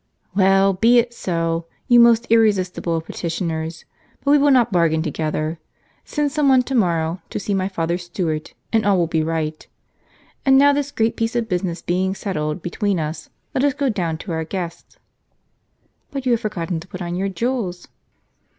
"Well, be it so, you most irresistible of petitioners. But we will not bargain together. Send some one to morrow, to see my father's steward, and all will be right. And now this great piece of business being settled between us, let us go down to our guests." "But you have forgotten to put on your jewels."